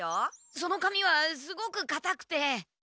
その髪はすごくかたくて。